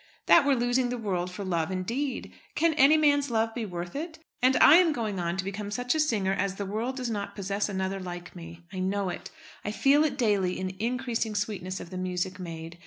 That were losing the world for love, indeed! Can any man's love be worth it? And I am going on to become such a singer as the world does not possess another like me. I know it. I feel it daily in the increasing sweetness of the music made.